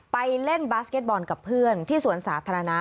ไปเล่นบาสเก็ตบอลกับเพื่อนที่สวนสาธารณะ